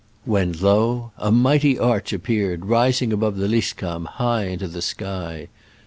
When lo ! a mighty arch appeared, rising above the Lyskamm high into the sky.